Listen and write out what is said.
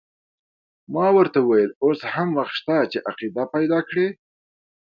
ما ورته وویل اوس هم وخت شته چې عقیده پیدا کړې.